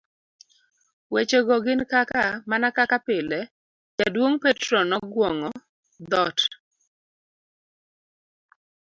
Wechego gin kaka, Mana kaka pile, jaduong Petro noguong'o thot